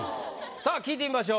さあ聞いてみましょう。